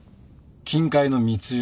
金塊の密輸。